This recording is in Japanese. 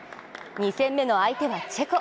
２戦目の相手は、チェコ。